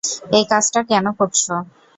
এই কাজটা কেন করছ?